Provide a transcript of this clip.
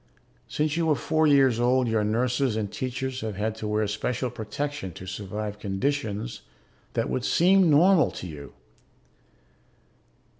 Since you were four years old your nurses and teachers have had to wear special protection to survive conditions that seem normal to you.